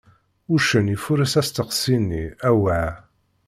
Uccen ifuṛes asteqsi-nni: Awah!